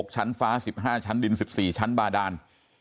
ชั้นฟ้า๑๕ชั้นดิน๑๔ชั้นบาดาน